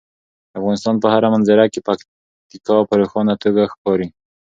د افغانستان په هره منظره کې پکتیکا په روښانه توګه ښکاري.